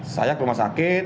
saya ke rumah sakit